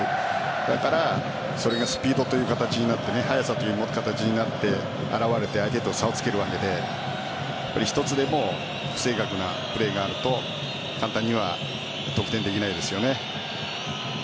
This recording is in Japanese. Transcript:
だからそれがスピードという形になって速さという形になって現れて相手と差をつけるわけで一つでも正確なプレーがあると簡単には得点できないですよね。